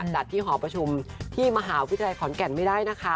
จัดที่หอประชุมที่มหาวิทยาลัยขอนแก่นไม่ได้นะคะ